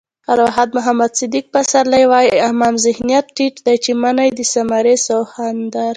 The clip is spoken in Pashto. ارواښاد محمد صدیق پسرلی وایي: عام ذهنيت ټيټ دی چې مني د سامري سخوندر.